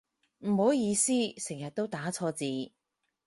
唔好意思成日都打錯字